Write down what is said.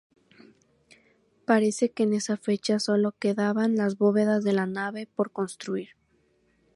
Parece que en esa fecha sólo quedaban las bóvedas de la nave por construir.